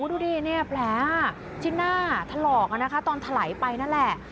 ดูดิเนี่ยแผลที่หน้าถลอกนะคะตอนถลายไปนั่นแหละ